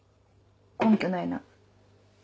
根拠ないな。